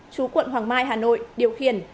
chú quận hoàng mai hà nội điều khiển